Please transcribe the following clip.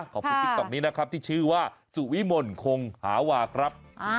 ติ๊กต๊อกนี้นะครับที่ชื่อว่าสุวิมลคงหาวาครับ